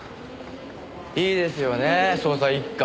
いいですよねぇ捜査一課。